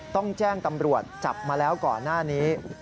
ต้องแจ้งตำรวจจับมาแล้วก่อนหน้านี้